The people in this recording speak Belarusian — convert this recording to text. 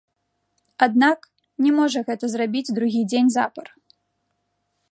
Аднак, не можа гэта зрабіць другі дзень запар.